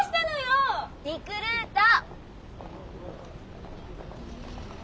リクルート！